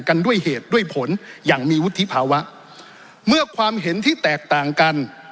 กันด้วยเหตุด้วยผลอย่างมีวุฒิภาวะเมื่อความเห็นที่แตกต่างกัน